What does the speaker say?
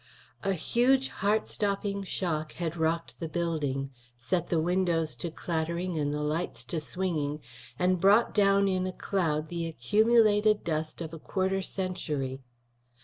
A huge, heart stopping shock had rocked the building, set the windows to clattering and the lights to swinging, and brought down in a cloud the accumulated dust of a quarter century.